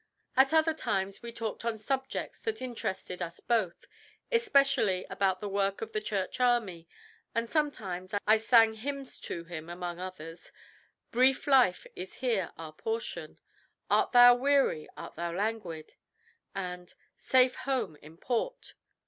At other times we talked on subjects that interested us both, especially about the work of the Church Army, and sometimes I sang hymns to him among others, "Brief life is here our portion," "Art thou weary, art thou languid?" and "Safe home in port."